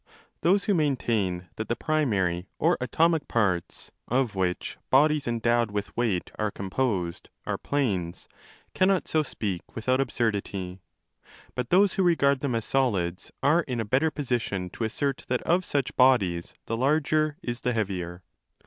Those who maintain that the primary or atomic parts, of which bodies endowed with weight are composed, are planes, cannot so speak without absurdity ; 1 309* but those who regard them as solids are in a better position to assert that of such bodies the larger is the heavier.